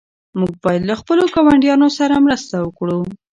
موږ باید له خپلو ګاونډیانو سره مرسته وکړو.